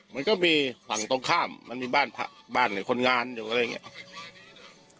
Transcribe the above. มันก็มีฝั่งตรงข้ามมันมีบ้านบ้านคนงานอยู่อะไรอย่างนี้